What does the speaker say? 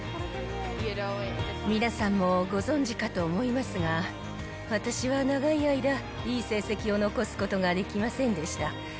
皆さんもご存じかと思いますが、私は長い間、いい成績を残すことができませんでした。